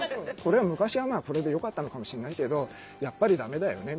「昔はこれでよかったのかもしれないけどやっぱりダメだよね」